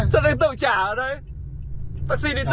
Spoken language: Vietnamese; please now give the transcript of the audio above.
sao anh tự trả ở đây taxi đi tự trả